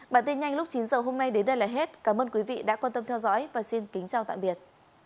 bản tin nhanh lúc chín h hôm nay đến đây là hết cảm ơn quý vị đã quan tâm theo dõi và xin kính chào tạm biệt